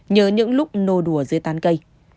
nhớ những lúc nô đùa dưới tán cây